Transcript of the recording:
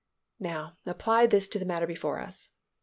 Now apply this to the matter before us.